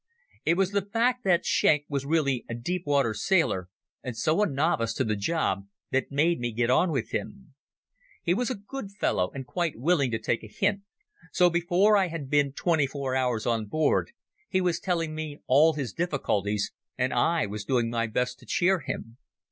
It was the fact that Schenk was really a deep water sailor, and so a novice to the job, that made me get on with him. He was a good fellow and quite willing to take a hint, so before I had been twenty four hours on board he was telling me all his difficulties, and I was doing my best to cheer him.